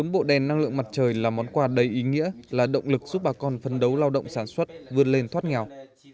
một trăm một mươi bốn bộ đèn năng lượng mặt trời là món quà đầy ý nghĩa là động lực giúp bà con phân đấu lao động sản xuất vươn lên thoát nghèo